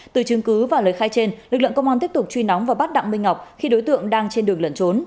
từ chứng cứ và lời khai trên lực lượng công an tiếp tục truy nóng và bắt đặng minh ngọc khi đối tượng đang trên đường lẩn trốn